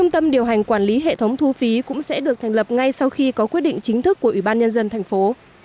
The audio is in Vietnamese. tâm điều hành quản lý hệ thống thu phí cũng sẽ được thành lập ngay sau khi có quyết định chính thức của ủy ban nhân dân thành phố